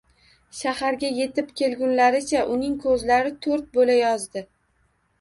Shaharga etib kelgunlaricha uning ko`zlari to`rt bo`layozdi